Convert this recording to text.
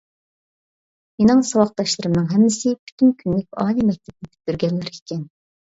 مېنىڭ ساۋاقداشلىرىمنىڭ ھەممىسى پۈتۈن كۈنلۈك ئالىي مەكتەپنى پۈتتۈرگەنلەر ئىكەن.